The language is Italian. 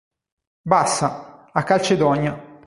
Bassa, a Calcedonia.